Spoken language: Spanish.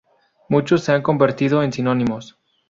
Muchos se han convertido en sinónimos.